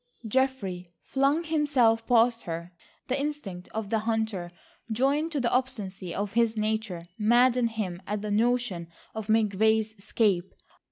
Geoffrey flung himself past her. The instinct of the hunter joined to the obstinacy of his nature maddened him at the notion of McVay's escape.